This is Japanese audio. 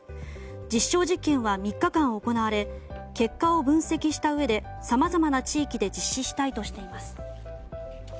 実証実験は３日間行われ結果を分析したうえでさまざまな地域で実施したいとしています。